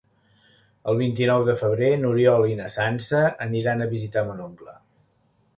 El vint-i-nou de febrer n'Oriol i na Sança aniran a visitar mon oncle.